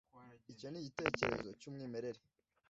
Icyo ni igitekerezo cyumwimerere.